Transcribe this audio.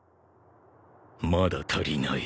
まだ足りない。